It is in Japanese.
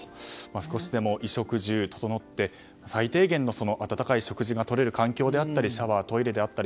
少しでも衣食住が整って最低限の温かい食事がとれる環境であったりシャワー、トイレであったり。